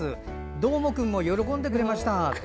どーもくんも喜んでくれましたって。